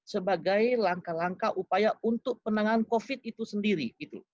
sebagai langkah langkah upaya untuk penanganan covid itu sendiri